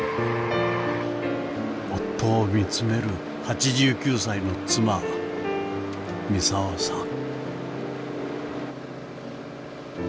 夫を見つめる８９歳の妻操さん。